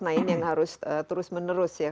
nah ini yang harus terus menerus ya